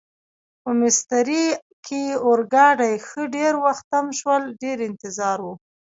په میسترې کې اورګاډي ښه ډېر وخت تم شول، ډېر انتظار و.